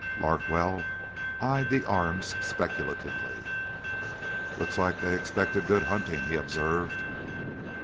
Larkwell eyed the arms speculatively. "Looks like they expected good hunting," he observed.